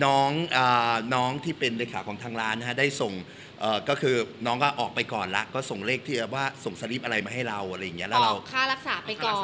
ซึ่งน้องที่เป็นริขาของทางร้านได้ส่งก็คือน้องออกไปก่อนแล้วก็ส่งเลขที่ว่าส่งสลิปอะไรมาให้เราออกคารักษาไปก่อน